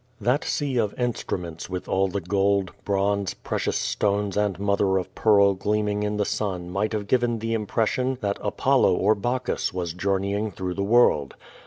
That sea of instruments with all the gold, bronze, precious stones and mother of pearl gleaming in the sun might have given the impression that Apollo or Bacchus was journeying through the world.